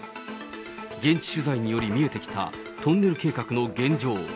現地取材により見えてきたトンネル計画の現状。